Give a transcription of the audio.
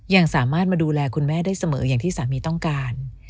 ยังสามารถมาดูแลคุณแม่ได้เสมออย่างที่สามีต้องการ